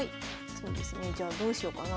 そうですねじゃあどうしようかな。